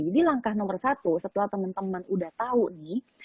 jadi langkah nomor satu setelah teman teman udah tahu nih